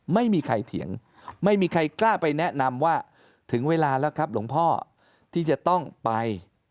ไม่มีใครเถียงไม่มีใครกล้าไปแนะนำว่าถึงเวลาแล้วครับหลวงพ่อที่จะต้องไป